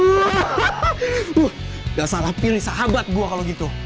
nggak salah pilih sahabat gue kalau gitu